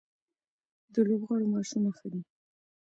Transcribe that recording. د لوبغاړو معاشونه ښه دي؟